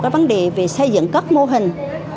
vấn đề về xây dựng các mô hình